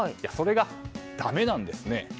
それが、だめなんですね。